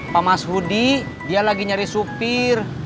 pak mas budi dia lagi nyari supir